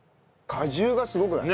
果汁がすごくない？